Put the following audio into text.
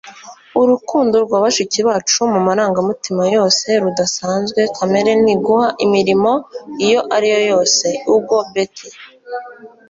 urukundo rwa bashiki bacu, mu marangamutima yose, rudasanzwe. kamere ntiguha imirimo iyo ari yo yose. - ugo betti